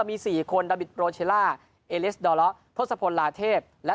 มี๔คนดาบิดโรเชล่าเอเลสดอเลาะทศพลลาเทพและ